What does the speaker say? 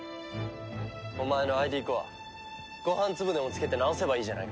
お前のＩＤコアご飯粒でもつけて直せばいいじゃないか。